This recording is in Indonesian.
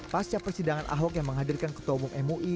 pasca persidangan ahok yang menghadirkan ketua umum mui